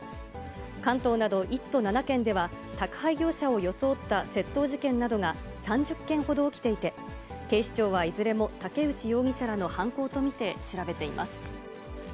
関東など１都７県では、宅配業者を装った窃盗事件などが３０件ほど起きていて、警視庁はいずれも、竹内容疑者らの犯行と見て調べています。